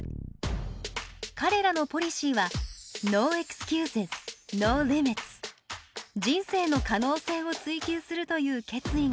彼らのポリシーは人生の可能性を追求するという決意が込められています。